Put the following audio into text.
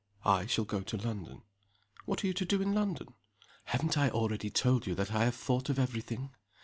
_" "I shall go to London." "What are you to do in London?" "Haven't I already told you that I have thought of every thing?